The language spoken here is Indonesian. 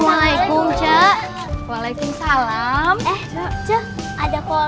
boleh mem grabbing saya cuk